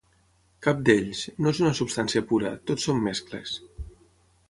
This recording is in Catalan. Cap d'ells, no és una substància pura, tot són mescles.